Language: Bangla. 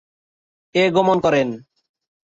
এ গমন করেন।